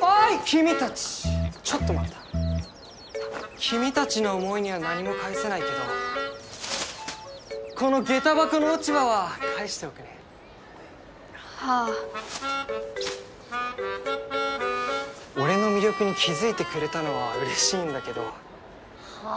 おい君たちちょっと待った君たちの思いには何も返せないけどこの下駄箱の落ち葉は返しておくねはあ俺の魅力に気づいてくれたのはうれしいんだけどはあ？